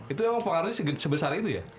itu memang pengaruhnya sebesar itu ya